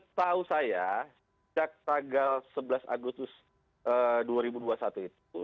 setahu saya sejak tanggal sebelas agustus dua ribu dua puluh satu itu